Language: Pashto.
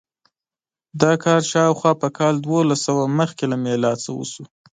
دا کار شاوخوا په کال دوولسسوه مخکې له میلاد نه وشو.